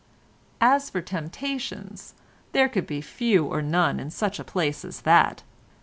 As for temptations, there could be few or none in such a place as that.